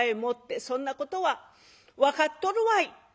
「そんなことは分かっとるわい！」。